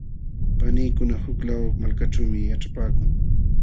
Paniykuna huk law kalu malkaćhuumi yaćhapaakun.